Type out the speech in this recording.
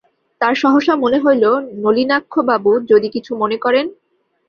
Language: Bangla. তাহার সহসা মনে হইল, নলিনাক্ষবাবু যদি কিছু মনে করেন।